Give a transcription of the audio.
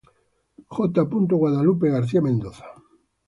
J. Guadalupe García Mendoza.